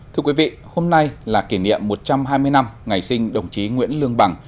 thưa quý vị hôm nay là kỷ niệm một trăm hai mươi năm ngày sinh đồng chí nguyễn lương bằng